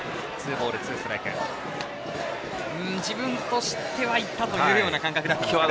自分としてはいったというような感覚だったんですかね。